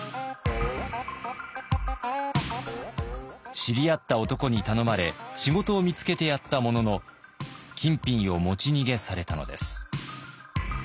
知り合った男に頼まれ仕事を見つけてやったものの金品を持ち逃げされたのです。